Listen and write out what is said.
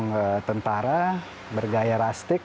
ada patung tentara bergaya rastik